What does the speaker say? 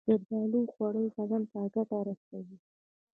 زردالو خوړل بدن ته ګټه رسوي.